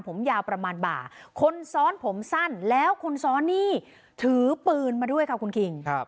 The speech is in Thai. ผมยาวประมาณบ่าคนซ้อนผมสั้นแล้วคนซ้อนนี่ถือปืนมาด้วยค่ะคุณคิง